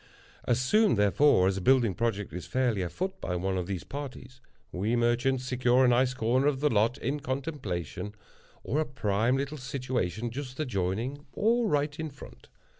As soon, therefore, as a building project is fairly afoot by one of these parties, we merchants secure a nice corner of the lot in contemplation, or a prime little situation just adjoining, or tight in front.